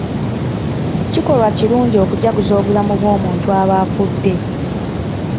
Kikolwa kirungi okujaguza obulamu bw'omuntu aba afudde.